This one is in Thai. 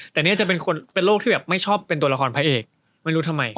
แต่เนี่ยจะเป็นคนเป็นโรคที่แบบไม่ชอบเป็นตัวละครพระเอกไม่รู้ทำไม